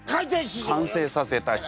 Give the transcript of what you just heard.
完成させた人。